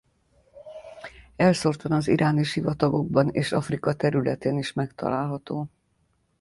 Elszórtan az iráni sivatagokban és Afrika területén is megtalálható.